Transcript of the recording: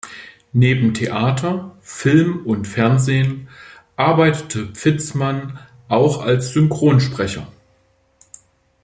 Neben Theater, Film und Fernsehen arbeitete Pfitzmann auch als Synchronsprecher.